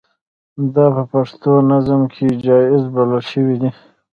دا په پښتو نظم کې جائز بلل شوي دي.